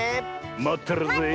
まってるぜえ。